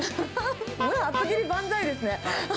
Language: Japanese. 厚切り万歳ですね。